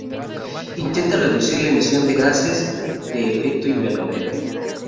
Intentar reducir la emisión de gases de efecto invernadero